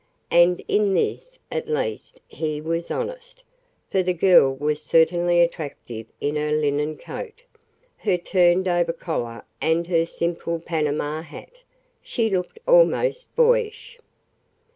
And in this, at least, he was honest, for the girl was certainly attractive in her linen coat, her turn over collar and her simple Panama hat. She looked almost boyish.